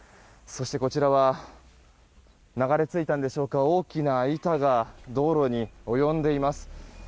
そして、こちらは流れ着いたのでしょうか大きな板が道路に及んでいます。